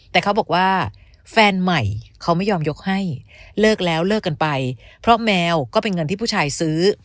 แต่เขาบอกว่าแฟนใหม่เขาไม่ยอมยกให้เลิกแล้วเลิกกันไปเพราะแมวก็เป็นเงินที่ผู้ชายซื้อ